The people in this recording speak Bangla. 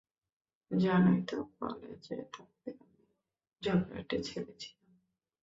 জানোই তো, কলেজে থাকতে আমি ঝগড়াটে ছেলে ছিলাম।